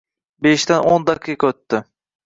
Beshdan o’n daqiqa o’tdi.